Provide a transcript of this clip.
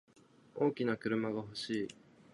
大きい車が欲しい。